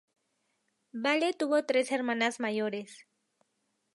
Bale tuvo tres hermanas mayores.